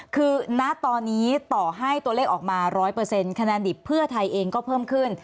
คือณตอนนี้ต่อให้ตัวเลขออกมา๑๐๐คะแนนดิบเพื่อไทยเองก็เพิ่มขึ้น